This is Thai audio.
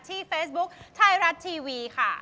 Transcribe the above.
เฟซบุ๊คไทยรัฐทีวีค่ะ